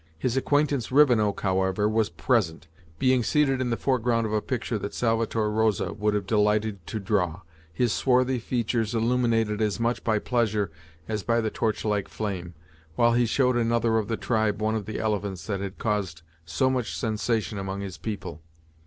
His acquaintance Rivenoak, however, was present, being seated in the foreground of a picture that Salvator Rosa would have delighted to draw, his swarthy features illuminated as much by pleasure as by the torchlike flame, while he showed another of the tribe one of the elephants that had caused so much sensation among his people.